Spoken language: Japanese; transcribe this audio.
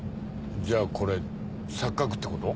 じゃあこれ錯覚ってこと？